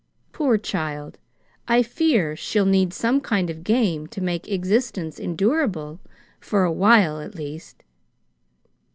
Poor child, I fear she'll need some kind of game to make existence endurable, for a while, at least."